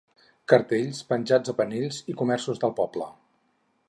cartells penjats a panells i comerços del poble